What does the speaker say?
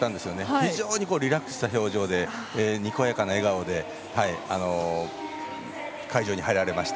非常にリラックスした表情でにこやかな笑顔で会場に入られました。